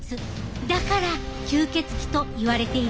だから吸血鬼といわれているんです。